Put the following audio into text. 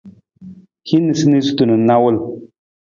Hin niisaniisatu na nawul.